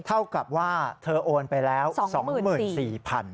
เท่ากับว่าเธอโอนไปแล้ว๒๔๐๐๐บาท